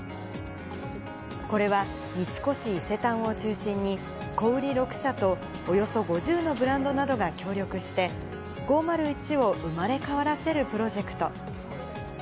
これは三越伊勢丹を中心に、小売り６社と、およそ５０のブランドなどが協力して、５０１を生まれ変わらせるプロジェクト。